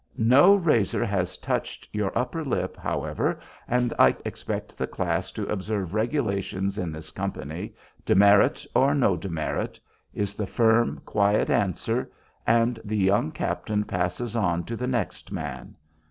"No razor has touched your upper lip, however, and I expect the class to observe regulations in this company, demerit or no demerit," is the firm, quiet answer, and the young captain passes on to the next man.